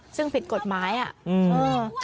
ซึ่งผิดกฎหมายอะ